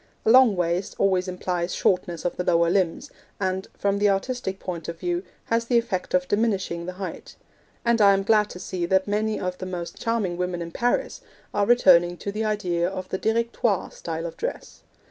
A long waist always implies shortness of the lower limbs, and, from the artistic point of view, has the effect of diminishing the height; and I am glad to see that many of the most charming women in Paris are returning to the idea of the Directoire style of dress.